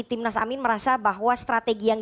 timnas amin merasa bahwa strategi yang